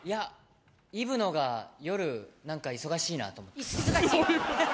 イブの方が夜、忙しいなと思って。